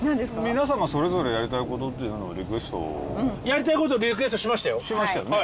皆様それぞれやりたいことリクエストやりたいことリクエストしましたよしましたよね？